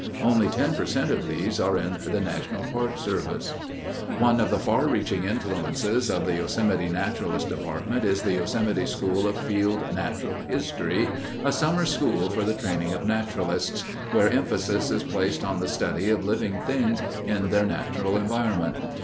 Only ten per cent of these are in the National Park System. One of the far reaching influences of the Yosemite naturalist department is the Yosemite School of Field Natural History, a summer school for the training of naturalists, where emphasis is placed on the study of living things in their natural environment.